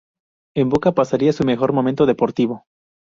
En Boca pasaría su mejor momento deportivo.